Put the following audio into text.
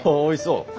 おいしそう。